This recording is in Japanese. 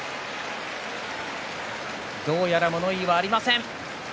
どうやら物言いはありません。